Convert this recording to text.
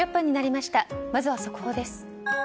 まずは速報です。